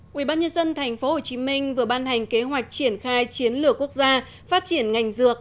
quỹ bác nhân dân tp hcm vừa ban hành kế hoạch triển khai chiến lược quốc gia phát triển ngành dược